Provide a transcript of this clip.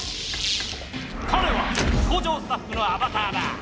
かれは工場スタッフのアバターだ。